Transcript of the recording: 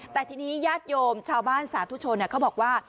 แต่ทีนี้ญาติโยมชาวบ้านสาธุชนเขาบอกว่า